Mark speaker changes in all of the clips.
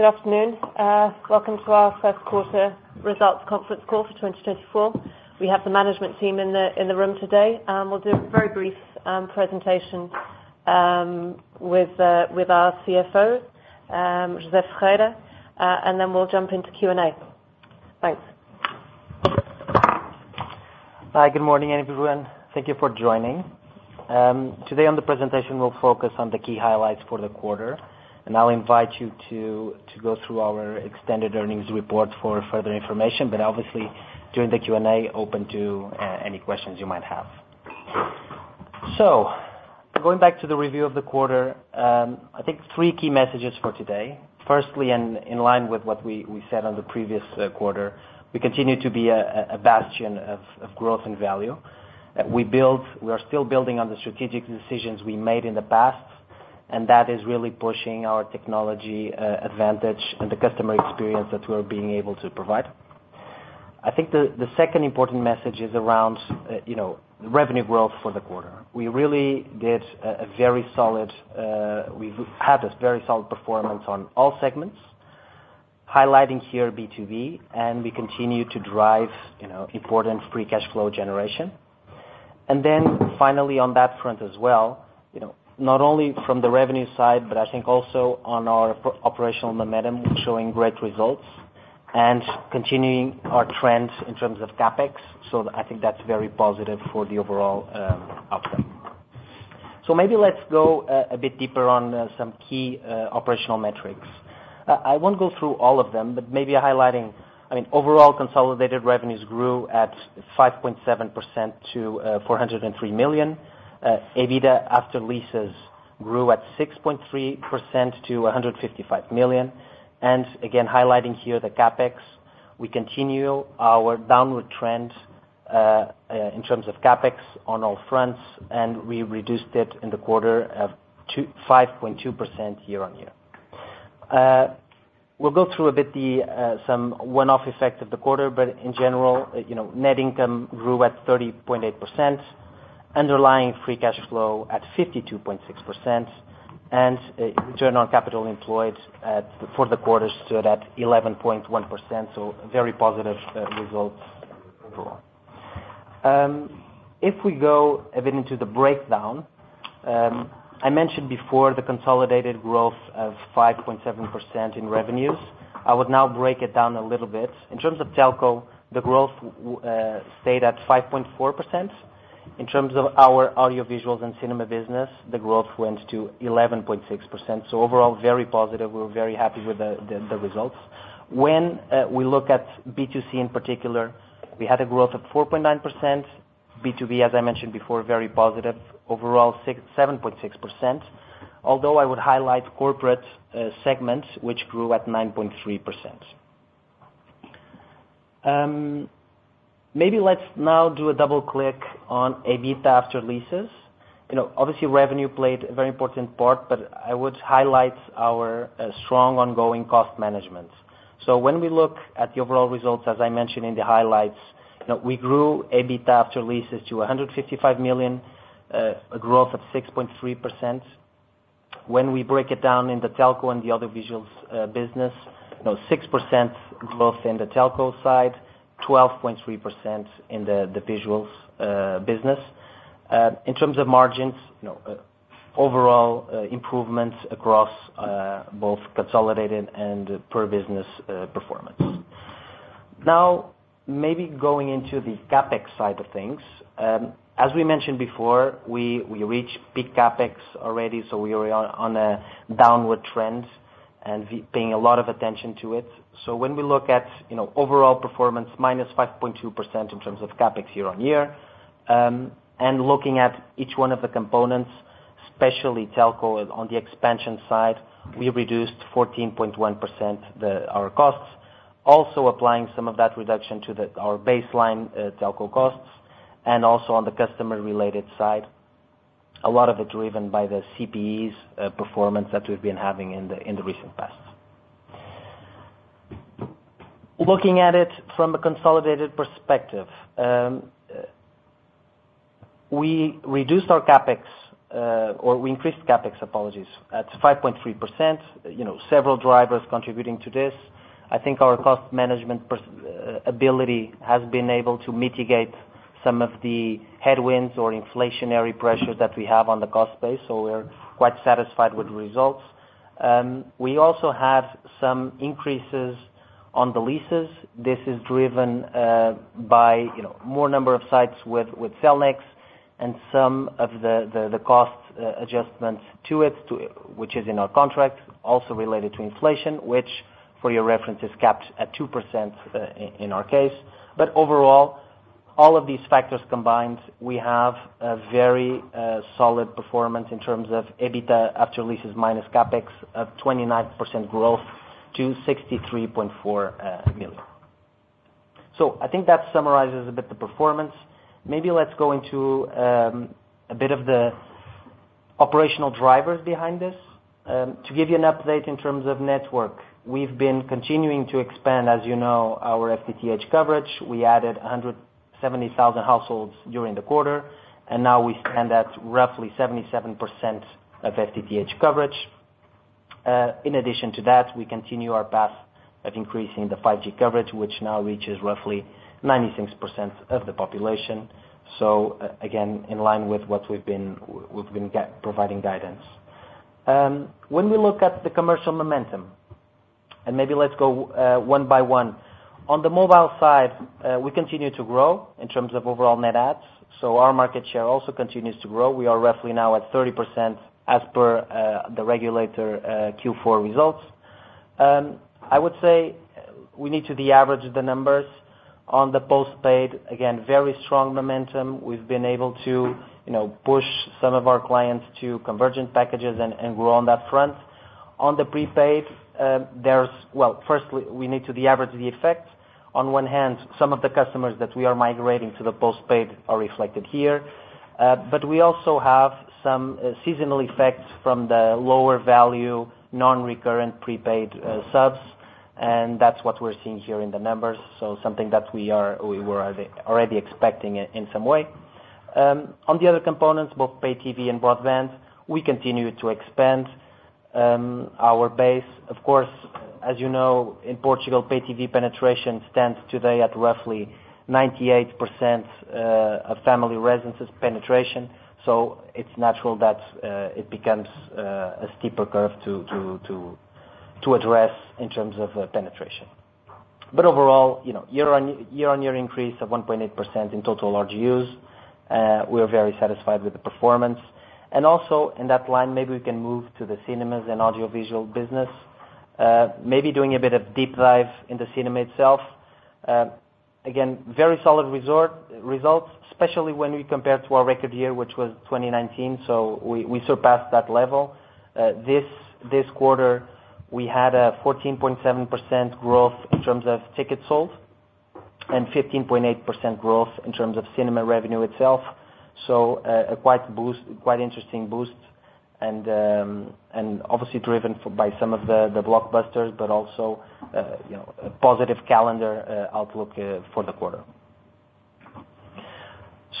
Speaker 1: Good afternoon. Welcome to our Q1 Results conference call for 2024. We have the management team in the room today, and we'll do a very brief presentation with our CFO, José Pedro Pereira da Costa, and then we'll jump into Q&A. Thanks.
Speaker 2: Hi, good morning, everyone. Thank you for joining. Today on the presentation, we'll focus on the key highlights for the quarter. And I'll invite you to go through our extended earnings report for further information, but obviously, during the Q&A, open to any questions you might have. So going back to the review of the quarter, I think three key messages for today. Firstly, and in line with what we said on the previous quarter, we continue to be a bastion of growth and value. We are still building on the strategic decisions we made in the past, and that is really pushing our technology advantage and the customer experience that we're being able to provide. I think the second important message is around, you know, revenue growth for the quarter. We really did a very solid, we've had a very solid performance on all segments, highlighting here B2B, and we continue to drive, you know, important free cash flow generation. And then finally, on that front as well, you know, not only from the revenue side, but I think also on our operational momentum, we're showing great results and continuing our trends in terms of CapEx. So I think that's very positive for the overall outcome. So maybe let's go a bit deeper on some key operational metrics. I won't go through all of them, but maybe highlighting, I mean, overall consolidated revenues grew at 5.7% to 403 million. EBITDA after leases grew at 6.3% to 155 million. Again, highlighting here the CapEx, we continue our downward trend in terms of CapEx on all fronts, and we reduced it in the quarter 5.2% year-on-year. We'll go through a bit, some one-off effect of the quarter, but in general, you know, net income grew at 30.8%, underlying free cash flow at 52.6%, and return on capital employed, for the quarter, stood at 11.1%, so very positive results overall. If we go a bit into the breakdown, I mentioned before the consolidated growth of 5.7% in revenues. I would now break it down a little bit. In terms of telco, the growth stayed at 5.4%. In terms of our audiovisuals and cinema business, the growth went to 11.6%. So overall, very positive. We're very happy with the results. When we look at B2C in particular, we had a growth of 4.9%. B2B, as I mentioned before, very positive. Overall, 6.7%, although I would highlight corporate segments, which grew at 9.3%. Maybe let's now do a double click on EBITDA after leases. You know, obviously, revenue played a very important part, but I would highlight our strong ongoing cost management. So when we look at the overall results, as I mentioned in the highlights, you know, we grew EBITDA after leases to 155 million, a growth of 6.3%. When we break it down in the telco and the other visuals business, you know, 6% growth in the telco side, 12.3% in the visuals business. In terms of margins, you know, overall improvements across both consolidated and per business performance. Now, maybe going into the CapEx side of things. As we mentioned before, we reached peak CapEx already, so we are on a downward trend and paying a lot of attention to it. So when we look at, you know, overall performance, -5.2% in terms of CapEx year-on-year, and looking at each one of the components, especially telco on the expansion side, we reduced 14.1% the our costs. Also applying some of that reduction to our baseline telco costs, and also on the customer-related side, a lot of it driven by the CPEs performance that we've been having in the recent past. Looking at it from a consolidated perspective, we reduced our CapEx or we increased CapEx, apologies, at 5.3%. You know, several drivers contributing to this. I think our cost management ability has been able to mitigate some of the headwinds or inflationary pressures that we have on the cost base, so we're quite satisfied with the results. We also have some increases on the leases. This is driven by you know more number of sites with Cellnex and some of the cost adjustments to it, which is in our contract, also related to inflation, which for your reference, is capped at 2% in our case. But overall, all of these factors combined, we have a very solid performance in terms of EBITDA after leases minus CapEx of 29% growth to 63.4 million. So I think that summarizes a bit the performance. Maybe let's go into a bit of the operational drivers behind this. To give you an update in terms of network, we've been continuing to expand, as you know, our FTTH coverage. We added 170,000 households during the quarter, and now we stand at roughly 77% of FTTH coverage.... In addition to that, we continue our path of increasing the 5G coverage, which now reaches roughly 96% of the population. So again, in line with what we've been, we've been providing guidance. When we look at the commercial momentum, and maybe let's go one by one. On the mobile side, we continue to grow in terms of overall net adds, so our market share also continues to grow. We are roughly now at 30% as per the regulator Q4 results. I would say we need to de-average the numbers on the postpaid. Again, very strong momentum. We've been able to, you know, push some of our clients to convergent packages and grow on that front. On the prepaid, well, firstly, we need to de-average the effect. On one hand, some of the customers that we are migrating to the postpaid are reflected here, but we also have some seasonal effects from the lower value, non-recurrent prepaid subs, and that's what we're seeing here in the numbers, so something that we were already expecting in some way. On the other components, both pay TV and broadband, we continue to expand our base. Of course, as you know, in Portugal, pay TV penetration stands today at roughly 98% of family residences penetration, so it's natural that it becomes a steeper curve to address in terms of penetration. But overall, you know, year-on-year increase of 1.8% in total ARPUs. We are very satisfied with the performance. Also, in that line, maybe we can move to the cinemas and audiovisual business. Maybe doing a bit of deep dive in the cinema itself. Again, very solid results, especially when we compare to our record year, which was 2019, so we surpassed that level. This quarter, we had a 14.7% growth in terms of tickets sold, and 15.8% growth in terms of cinema revenue itself. So, a quite boost, quite interesting boost, and obviously driven by some of the blockbusters, but also, you know, a positive calendar outlook for the quarter.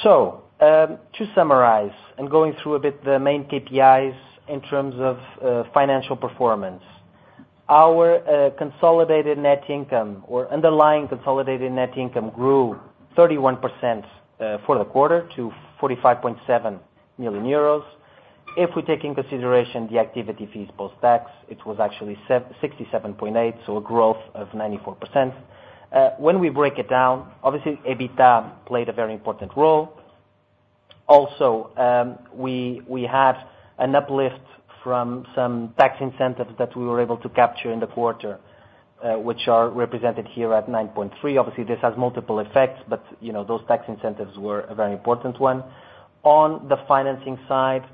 Speaker 2: So, to summarize, and going through a bit the main KPIs in terms of financial performance. Our consolidated net income or underlying consolidated net income grew 31% for the quarter to 45.7 million euros. If we take in consideration the activity fees post-tax, it was actually 67.8, so a growth of 94%. When we break it down, obviously, EBITDA played a very important role. Also, we had an uplift from some tax incentives that we were able to capture in the quarter, which are represented here at 9.3 million. Obviously, this has multiple effects, but, you know, those tax incentives were a very important one. On the financing side,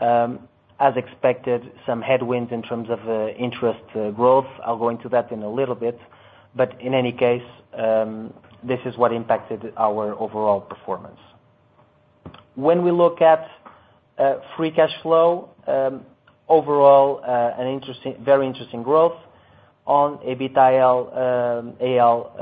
Speaker 2: as expected, some headwinds in terms of interest growth. I'll go into that in a little bit. But in any case, this is what impacted our overall performance. When we look at free cash flow, overall, an interesting, very interesting growth. On EBITDA AL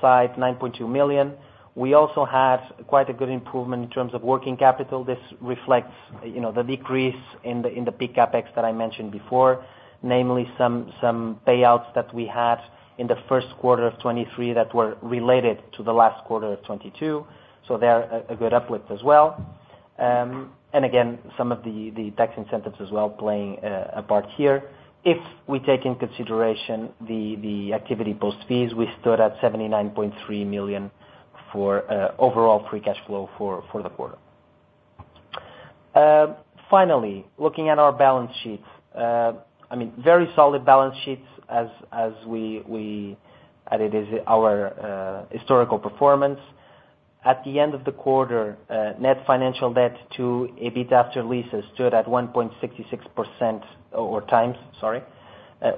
Speaker 2: side, 9.2 million. We also had quite a good improvement in terms of working capital. This reflects, you know, the decrease in the, in the peak CapEx that I mentioned before, namely some, some payouts that we had in the Q1 of 2023 that were related to the last quarter of 2022. So they are a, a good uplift as well. And again, some of the, the tax incentives as well playing, a part here. If we take into consideration the, the activity post fees, we stood at 79.3 million for, overall free cash flow for, the quarter. Finally, looking at our balance sheets, I mean, very solid balance sheets as, as we, we... It is our historical performance. At the end of the quarter, net financial debt to EBITDA after leases stood at 1.66%, or times, sorry,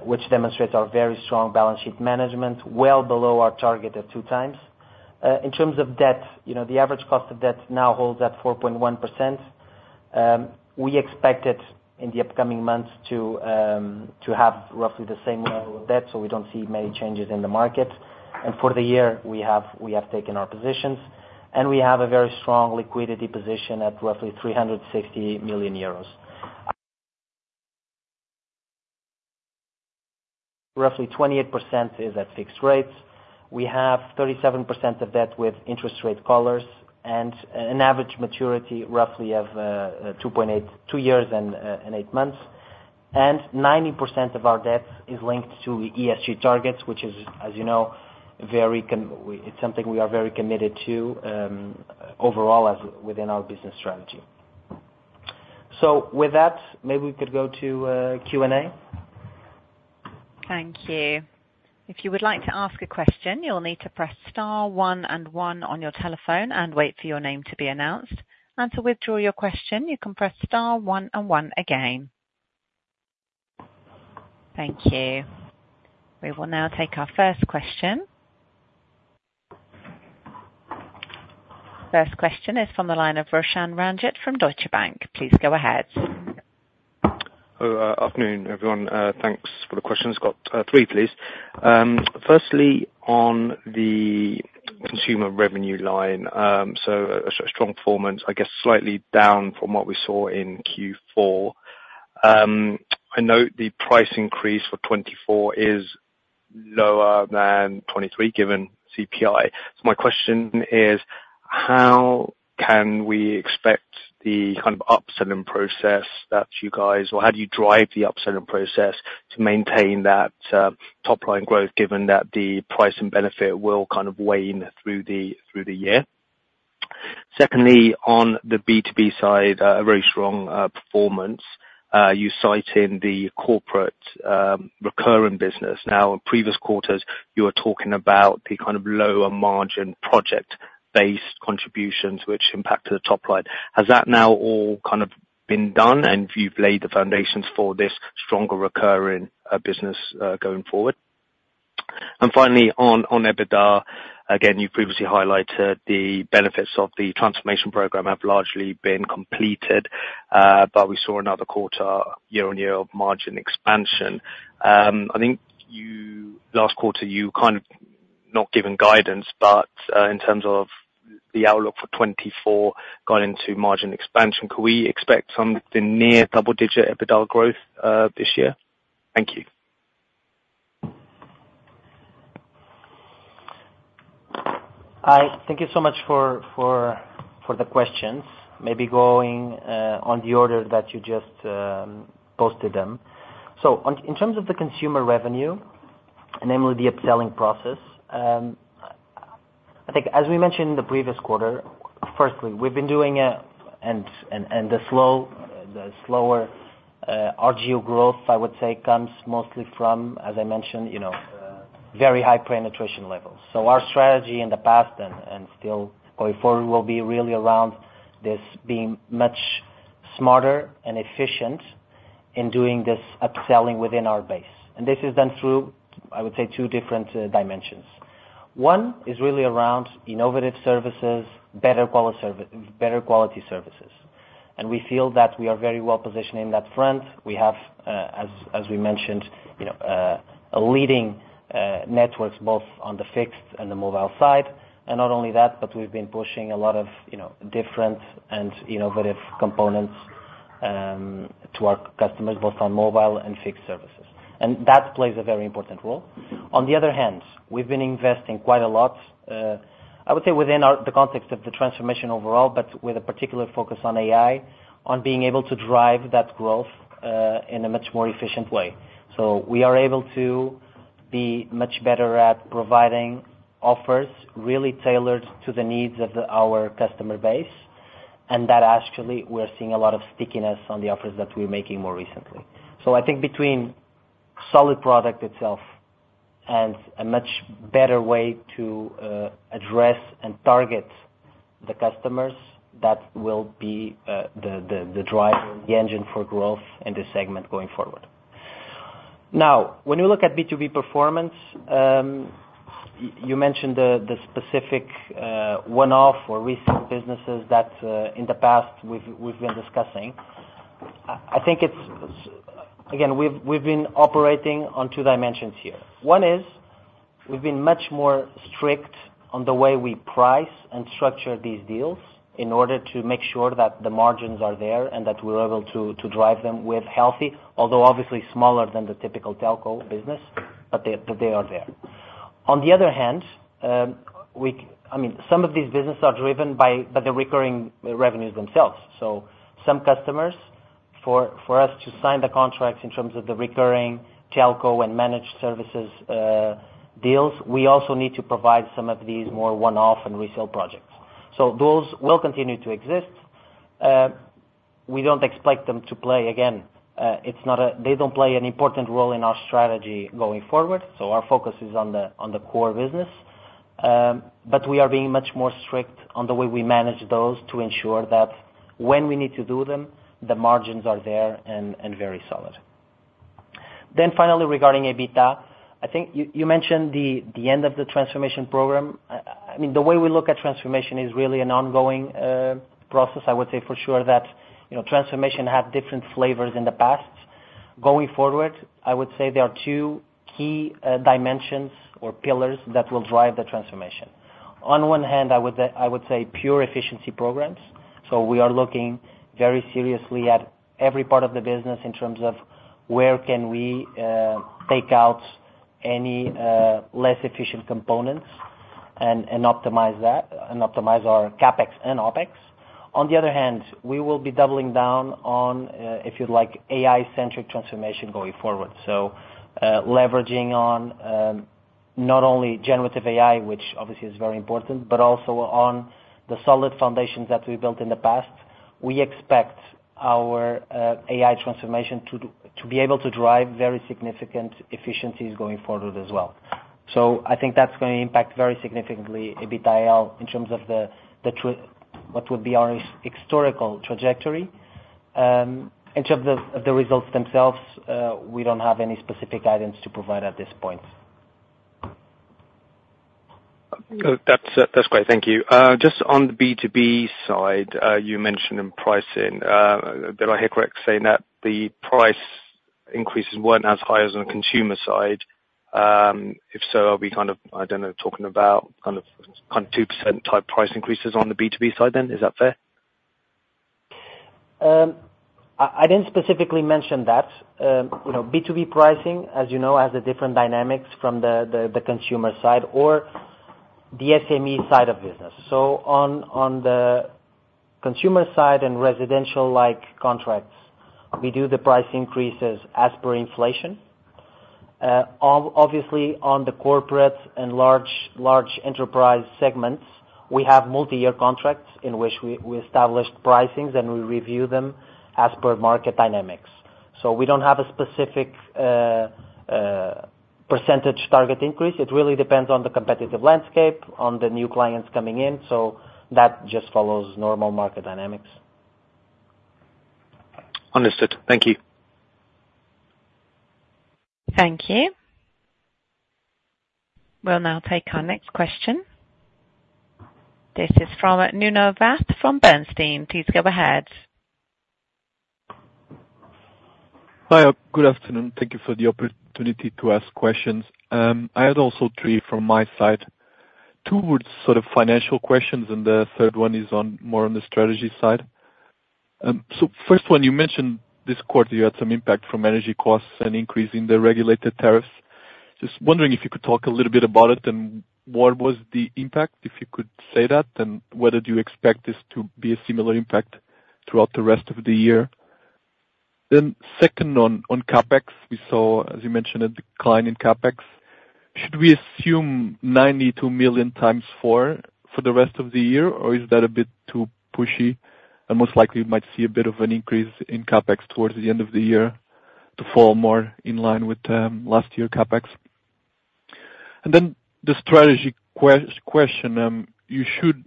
Speaker 2: which demonstrates our very strong balance sheet management, well below our target of 2x. In terms of debt, you know, the average cost of debt now holds at 4.1%. We expect it in the upcoming months to have roughly the same level of debt, so we don't see many changes in the market. For the year, we have taken our positions, and we have a very strong liquidity position at roughly 360 million euros. Roughly 28% is at fixed rates. We have 37% of debt with interest rate collars and an average maturity roughly of 2 years and eight months. 90% of our debt is linked to ESG targets, which is, as you know, very committed—it's something we are very committed to overall as within our business strategy. With that, maybe we could go to Q&A.
Speaker 3: Thank you. If you would like to ask a question, you'll need to press star one and one on your telephone and wait for your name to be announced. And to withdraw your question, you can press star one and one again. Thank you. We will now take our first question. First question is from the line of Roshan Ranjit from Deutsche Bank. Please go ahead.
Speaker 4: Hello, afternoon, everyone. Thanks for the questions. Got 3, please. Firstly, on the consumer revenue line, so a strong performance, I guess, slightly down from what we saw in Q4. I note the price increase for 2024 is lower than 2023, given CPI. So my question is: How can we expect the kind of upselling process that you guys or how do you drive the upselling process to maintain that top line growth, given that the price and benefit will kind of wane through the year? Secondly, on the B2B side, a very strong performance, you cite in the corporate recurring business. Now, in previous quarters, you were talking about the kind of lower margin project-based contributions which impact the top line. Has that now all kind of been done, and you've laid the foundations for this stronger recurring business going forward? And finally, on EBITDA, again, you've previously highlighted the benefits of the transformation program have largely been completed, but we saw another quarter year-on-year of margin expansion. I think you last quarter, you kind of not given guidance, but in terms of the outlook for 2024, going into margin expansion, can we expect something near double-digit EBITDA growth this year? Thank you.
Speaker 2: Hi, thank you so much for the questions. Maybe going on the order that you just posted them. So on, in terms of the consumer revenue, namely the upselling process, I think as we mentioned the previous quarter, firstly, we've been doing it and the slower RGU growth, I would say, comes mostly from, as I mentioned, you know, very high penetration levels. So our strategy in the past and still going forward, will be really around this being much smarter and efficient in doing this upselling within our base. And this is done through, I would say, two different dimensions. One is really around innovative services, better quality services. And we feel that we are very well positioned in that front. We have, as we mentioned, you know, a leading networks, both on the fixed and the mobile side. And not only that, but we've been pushing a lot of, you know, different and innovative components, to our customers, both on mobile and fixed services, and that plays a very important role. On the other hand, we've been investing quite a lot, I would say, within our... the context of the transformation overall, but with a particular focus on AI, on being able to drive that growth, in a much more efficient way. So we are able to be much better at providing offers really tailored to the needs of our customer base, and that actually, we're seeing a lot of stickiness on the offers that we're making more recently. So I think between solid product itself and a much better way to address and target the customers, that will be the driver, the engine for growth in this segment going forward. Now, when you look at B2B performance, you mentioned the specific one-off or resale businesses that in the past we've been discussing. I think it's again, we've been operating on two dimensions here. One is, we've been much more strict on the way we price and structure these deals in order to make sure that the margins are there and that we're able to drive them with healthy, although obviously smaller than the typical telco business, but they are there. On the other hand, I mean, some of these businesses are driven by the recurring revenues themselves. So some customers, for us to sign the contracts in terms of the recurring telco and managed services deals, we also need to provide some of these more one-off and resale projects. So those will continue to exist. We don't expect them to play again. They don't play an important role in our strategy going forward, so our focus is on the core business. But we are being much more strict on the way we manage those to ensure that when we need to do them, the margins are there and very solid. Then finally, regarding EBITDA, I think you mentioned the end of the transformation program. I mean, the way we look at transformation is really an ongoing process. I would say for sure that, you know, transformation had different flavors in the past. Going forward, I would say there are two key dimensions or pillars that will drive the transformation. On one hand, I would say, I would say pure efficiency programs. We are looking very seriously at every part of the business in terms of where can we take out any less efficient components and, and optimize that, and optimize our CapEx and OpEx? On the other hand, we will be doubling down on, if you'd like, AI-centric transformation going forward. Leveraging on not only generative AI, which obviously is very important, but also on the solid foundations that we built in the past, we expect our AI transformation to be able to drive very significant efficiencies going forward as well. So I think that's going to impact very significantly EBITDA AL in terms of what would be our historical trajectory. In terms of the results themselves, we don't have any specific guidance to provide at this point.
Speaker 4: That's great. Thank you. Just on the B2B side, you mentioned in pricing, did I hear correct saying that the price increases weren't as high as on the consumer side? If so, are we kind of, I don't know, talking about kind of kind of 2% type price increases on the B2B side then? Is that fair?...
Speaker 2: I didn't specifically mention that. You know, B2B pricing, as you know, has a different dynamics from the consumer side or the SME side of business. So on the consumer side and residential-like contracts, we do the price increases as per inflation. Obviously, on the corporate and large enterprise segments, we have multi-year contracts in which we established pricings, and we review them as per market dynamics. So we don't have a specific percentage target increase. It really depends on the competitive landscape, on the new clients coming in, so that just follows normal market dynamics.
Speaker 4: Understood. Thank you.
Speaker 3: Thank you. We'll now take our next question. This is from Nuno Vaz from CaixaBI. Please go ahead.
Speaker 5: Hi. Good afternoon. Thank you for the opportunity to ask questions. I had also three from my side. Two were sort of financial questions, and the third one is more on the strategy side. So first one, you mentioned this quarter, you had some impact from energy costs and increase in the regulated tariffs. Just wondering if you could talk a little bit about it and what was the impact, if you could say that, and whether do you expect this to be a similar impact throughout the rest of the year? Then second, on CapEx, we saw, as you mentioned, a decline in CapEx. Should we assume 92 million times four for the rest of the year, or is that a bit too pushy, and most likely might see a bit of an increase in CapEx towards the end of the year to fall more in line with last year CapEx? And then the strategy question, you should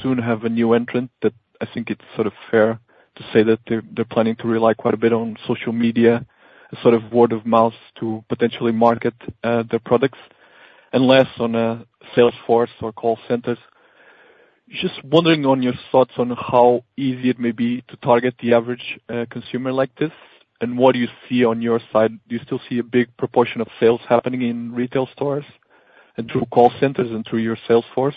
Speaker 5: soon have a new entrant that I think it's sort of fair to say that they're planning to rely quite a bit on social media, a sort of word of mouth, to potentially market their products, and less on sales force or call centers. Just wondering on your thoughts on how easy it may be to target the average consumer like this, and what do you see on your side? Do you still see a big proportion of sales happening in retail stores and through call centers and through your sales force?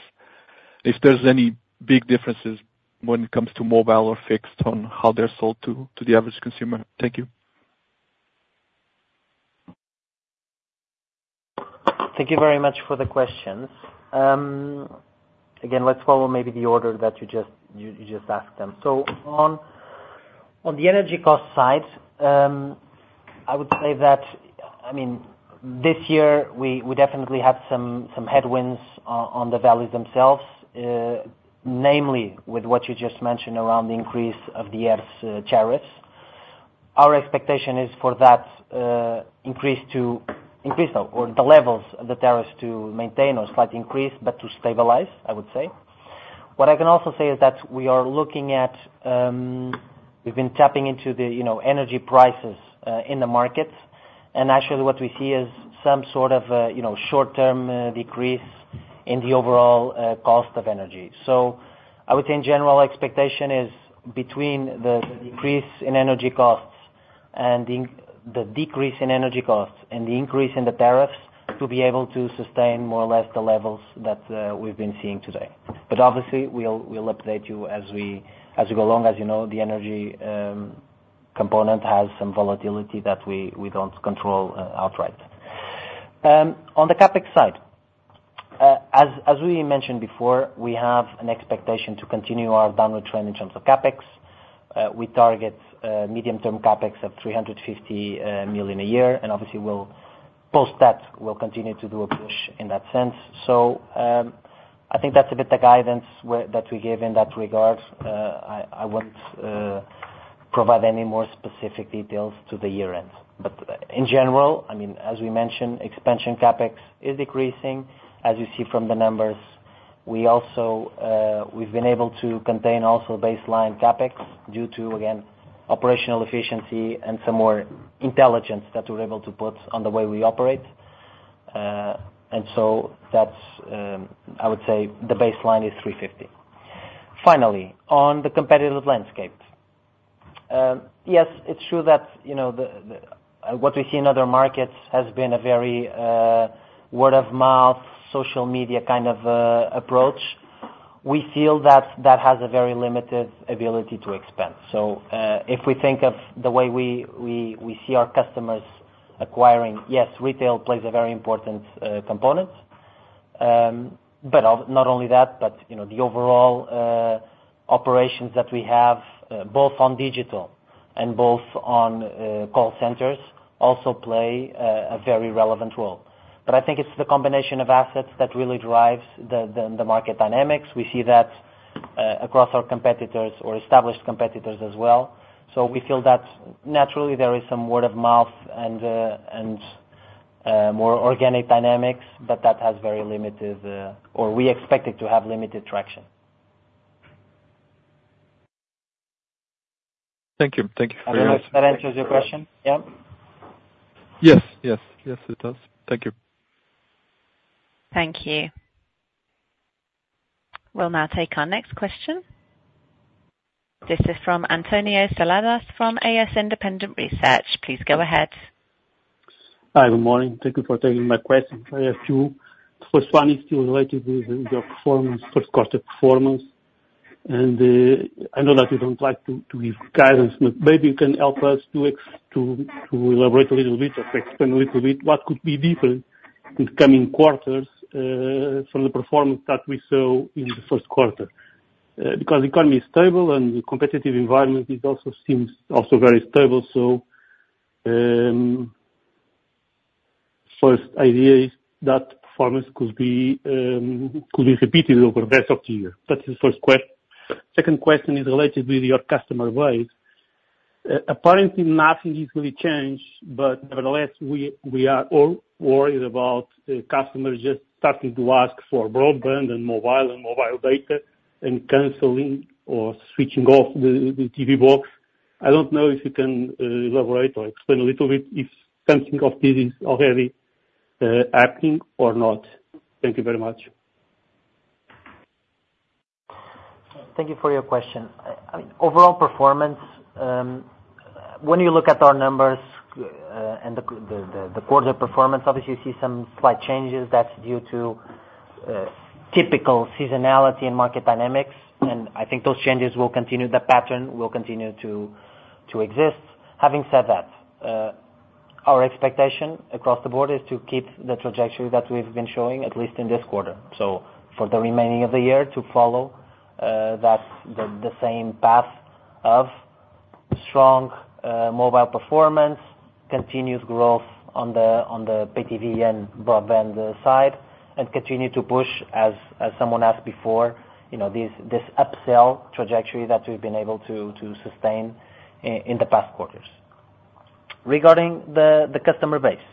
Speaker 5: If there's any big differences when it comes to mobile or fixed on how they're sold to the average consumer? Thank you.
Speaker 2: Thank you very much for the questions. Again, let's follow maybe the order that you just asked them. So on the energy cost side, I would say that, I mean, this year we definitely had some headwinds on the valleys themselves, namely with what you just mentioned around the increase of the ERSE tariffs. Our expectation is for that increase to increase or the levels of the tariffs to maintain or slight increase, but to stabilize, I would say. What I can also say is that we are looking at. We've been tapping into the, you know, energy prices in the market, and actually what we see is some sort of, you know, short-term decrease in the overall cost of energy. So I would say in general, expectation is between the decrease in energy costs and the decrease in energy costs and the increase in the tariffs to be able to sustain more or less the levels that we've been seeing today. But obviously, we'll update you as we go along. As you know, the energy component has some volatility that we don't control outright. On the CapEx side, as we mentioned before, we have an expectation to continue our downward trend in terms of CapEx. We target medium-term CapEx of 350 million a year, and obviously we'll post that. We'll continue to do a push in that sense. So I think that's a bit the guidance that we gave in that regard. I wouldn't provide any more specific details to the year end. But in general, I mean, as we mentioned, expansion CapEx is decreasing. As you see from the numbers, we also we've been able to contain also baseline CapEx due to, again, operational efficiency and some more intelligence that we're able to put on the way we operate. And so that's, I would say the baseline is 350. Finally, on the competitive landscape. Yes, it's true that, you know, what we see in other markets has been a very word of mouth, social media kind of approach. We feel that that has a very limited ability to expand. So, if we think of the way we see our customers acquiring, yes, retail plays a very important component. But not only that, but, you know, the overall operations that we have, both on digital and both on call centers, also play a very relevant role. But I think it's the combination of assets that really drives the market dynamics. We see that across our competitors or established competitors as well. So we feel that naturally there is some word of mouth and more organic dynamics, but that has very limited or we expect it to have limited traction.
Speaker 5: Thank you. Thank you very much.
Speaker 2: I don't know if that answers your question. Yeah.
Speaker 5: Yes, yes. Yes, it does. Thank you.
Speaker 3: Thank you. We'll now take our next question. This is from António Seladas, from AS Independent Research. Please go ahead....
Speaker 6: Hi, good morning. Thank you for taking my questions. I have two. First one is related to your performance, Q1 performance, and I know that you don't like to give guidance, but maybe you can help us to elaborate a little bit or explain a little bit, what could be different in the coming quarters from the performance that we saw in the Q1? Because the economy is stable and the competitive environment is also seems also very stable. So, first idea is that performance could be, could be repeated over the rest of the year. That's the first ques- Second question is related with your customer base. Apparently, nothing is really changed, but nevertheless, we are all worried about the customers just starting to ask for broadband and mobile, and mobile data, and canceling or switching off the TV box. I don't know if you can elaborate or explain a little bit if something of this is already happening or not. Thank you very much.
Speaker 2: Thank you for your question. I mean, overall performance, when you look at our numbers, and the quarter performance, obviously you see some slight changes that's due to typical seasonality and market dynamics. And I think those changes will continue, the pattern will continue to exist. Having said that, our expectation across the board is to keep the trajectory that we've been showing, at least in this quarter. So for the remaining of the year to follow, that's the same path of strong mobile performance, continuous growth on the pay TV and broadband side, and continue to push as someone asked before, you know, this upsell trajectory that we've been able to sustain in the past quarters. Regarding the customer base,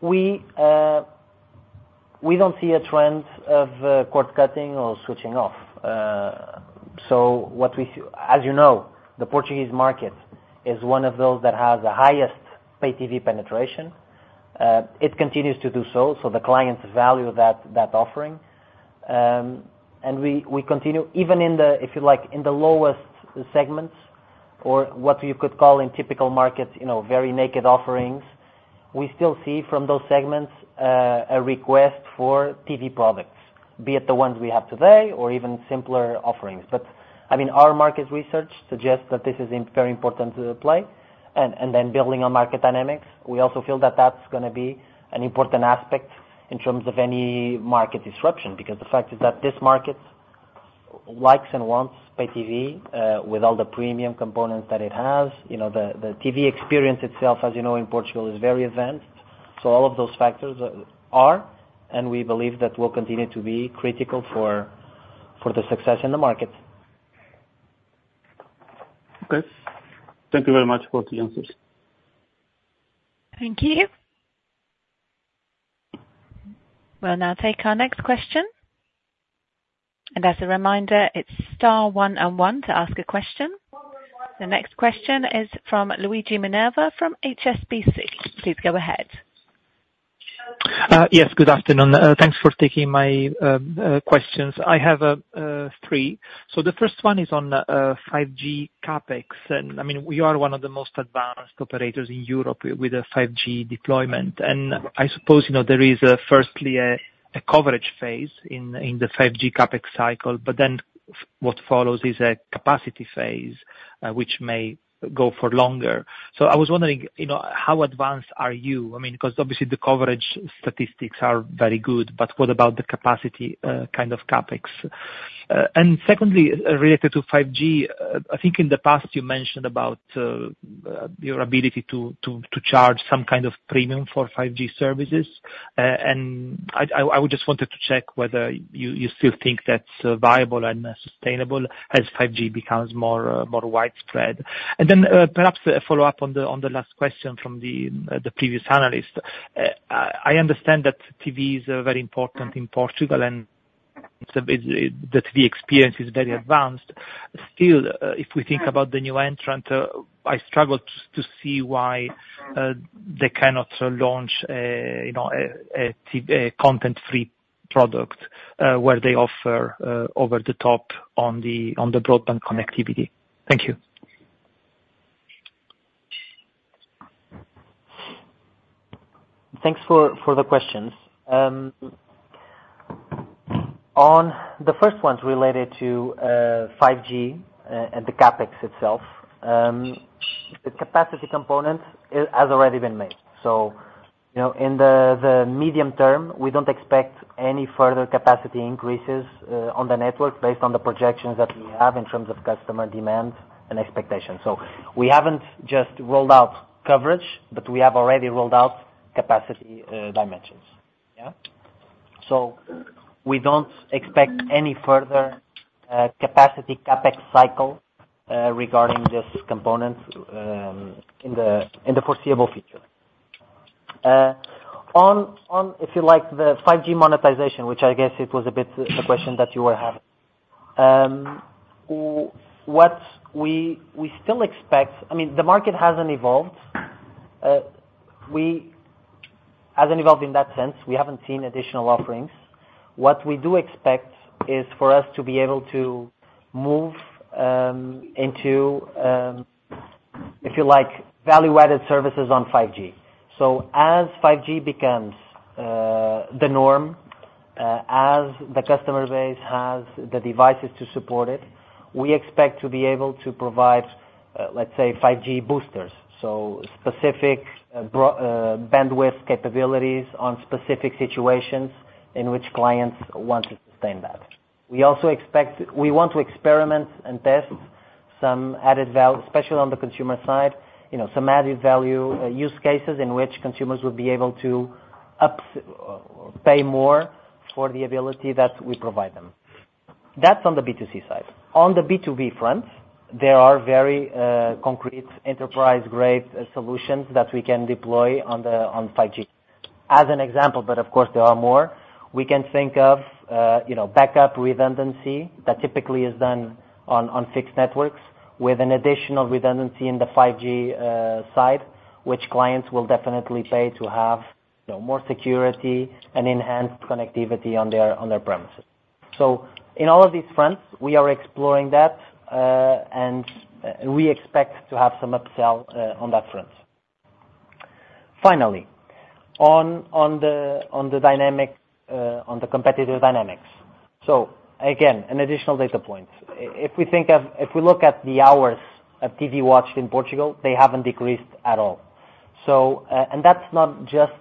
Speaker 2: we don't see a trend of cord cutting or switching off. So what we see... As you know, the Portuguese market is one of those that has the highest pay TV penetration. It continues to do so, so the clients value that offering. And we continue even in, if you like, the lowest segments or what you could call typical markets, you know, very naked offerings. We still see from those segments a request for TV products, be it the ones we have today or even simpler offerings. But, I mean, our market research suggests that this is very important to the play, and then building on market dynamics, we also feel that that's gonna be an important aspect in terms of any market disruption. Because the fact is that this market likes and wants pay TV with all the premium components that it has. You know, the TV experience itself, as you know, in Portugal, is very advanced. So all of those factors are, and we believe that will continue to be critical for the success in the market.
Speaker 6: Okay. Thank you very much for the answers.
Speaker 3: Thank you. We'll now take our next question. As a reminder, it's star one on one to ask a question. The next question is from Luigi Minerva from HSBC. Please go ahead.
Speaker 7: Yes, good afternoon. Thanks for taking my questions. I have three. So the first one is on 5G CapEx, and I mean, we are one of the most advanced operators in Europe with a 5G deployment. And I suppose, you know, there is firstly a coverage phase in the 5G CapEx cycle, but then what follows is a capacity phase, which may go for longer. So I was wondering, you know, how advanced are you? I mean, because obviously the coverage statistics are very good, but what about the capacity kind of CapEx? And secondly, related to 5G, I think in the past you mentioned about your ability to charge some kind of premium for 5G services. I would just want to check whether you still think that's viable and sustainable as 5G becomes more widespread. And then, perhaps a follow-up on the last question from the previous analyst. I understand that TV is very important in Portugal, and so the TV experience is very advanced. Still, if we think about the new entrant, I struggle to see why they cannot launch, you know, a content-free product, where they offer over the top on the broadband connectivity. Thank you.
Speaker 2: Thanks for the questions. On the first one related to 5G and the CapEx itself, the capacity component has already been made. So, you know, in the medium term, we don't expect any further capacity increases on the network based on the projections that we have in terms of customer demand and expectation. So we haven't just rolled out coverage, but we have already rolled out capacity dimensions. Yeah? So we don't expect any further capacity CapEx cycle regarding this component in the foreseeable future. If you like, the 5G monetization, which I guess it was a bit the question that you were having. What we still expect... I mean, the market hasn't evolved. Hasn't evolved in that sense, we haven't seen additional offerings. What we do expect is for us to be able to move into, if you like, value-added services on 5G. So as 5G becomes the norm, as the customer base has the devices to support it, we expect to be able to provide, let's say, 5G boosters, so specific bandwidth capabilities on specific situations in which clients want to sustain that. We also expect. We want to experiment and test some added value, especially on the consumer side, you know, some added value use cases in which consumers will be able to pay more for the ability that we provide them. That's on the B2C side. On the B2B front, there are very concrete enterprise-grade solutions that we can deploy on 5G. As an example, but of course there are more, we can think of, you know, backup redundancy that typically is done on fixed networks, with an additional redundancy in the 5G side, which clients will definitely pay to have, you know, more security and enhanced connectivity on their premises. So in all of these fronts, we are exploring that, and we expect to have some upsell on that front. Finally, on the competitive dynamics. So again, an additional data point. If we look at the hours of TV watched in Portugal, they haven't decreased at all. So, and that's not just...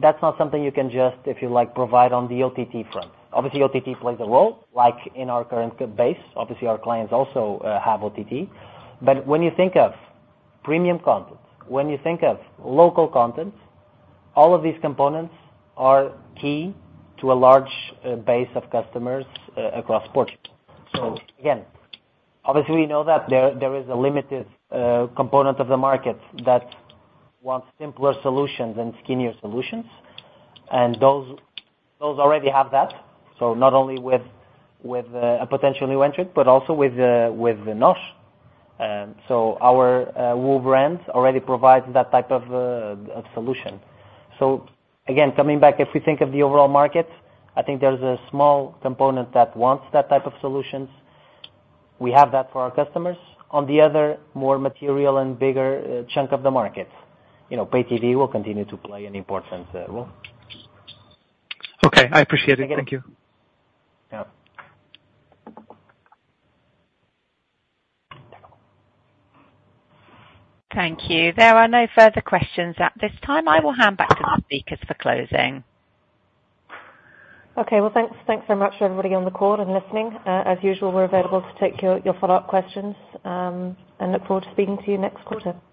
Speaker 2: That's not something you can just, if you like, provide on the OTT front. Obviously, OTT plays a role, like in our current base. Obviously, our clients also have OTT. But when you think of premium content, when you think of local content, all of these components are key to a large base of customers across Portugal. So again, obviously, we know that there is a limited component of the market that wants simpler solutions and skinnier solutions, and those already have that. So not only with a potential new entrant, but also with the NOS. So our WOO brand already provides that type of solution. So again, coming back, if we think of the overall market, I think there's a small component that wants that type of solutions. We have that for our customers. On the other, more material and bigger chunk of the market, you know, pay TV will continue to play an important role.
Speaker 6: Okay, I appreciate it. Thank you.
Speaker 2: Yeah.
Speaker 3: Thank you. There are no further questions at this time. I will hand back to the speakers for closing.
Speaker 1: Okay, well, thanks, thanks so much for everybody on the call and listening. As usual, we're available to take your, your follow-up questions, and look forward to speaking to you next quarter. Bye.